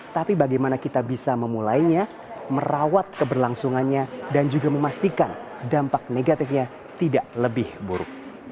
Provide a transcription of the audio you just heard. tapi bagaimana kita bisa memulainya merawat keberlangsungannya dan juga memastikan dampak negatifnya tidak lebih buruk